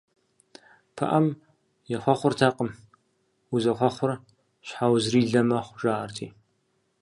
Пыӏэм ехъуэхъуртэкъым, узэхъуэхъур щхьэузрилэ мэхъу, жаӏэрти.